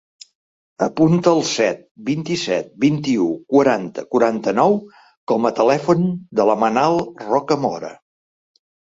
Apunta el set, vint-i-set, vint-i-u, quaranta, quaranta-nou com a telèfon de la Manal Rocamora.